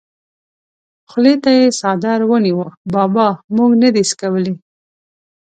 خولې ته یې څادر ونیو: بابا مونږ نه دي څکولي!